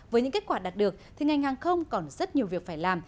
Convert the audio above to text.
với những kết quả đạt được thì ngành hàng không còn rất nhiều việc phải làm